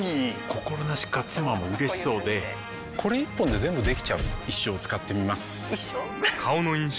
心なしか妻も嬉しそうでこれ一本で全部できちゃう一生使ってみます一生？